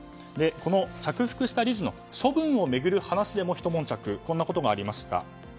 この着服した理事の処分を巡る話でもひと悶着がありました。